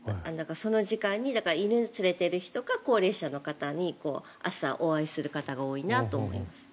その時間に犬を連れている人か高齢者の方に朝、お会いする方が多いなと思います。